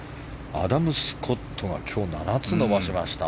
アダム・スコットが今日、７つ伸ばしました。